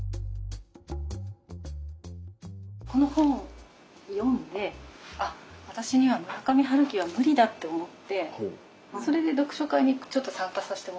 この本を読んであっ私には村上春樹は無理だって思ってそれで読書会にちょっと参加させてもらったんですね。